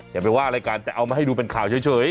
อย่าไปว่าอะไรกันแต่เอามาให้ดูเป็นข่าวเฉย